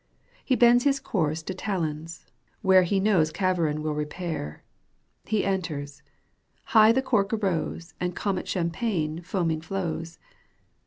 He bends his course to Talon's, where ^ He knows Kaverine wiH repair.^ He enters. High the cork arose And Comet champagne foaming flows.